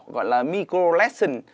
gọi là micro lesion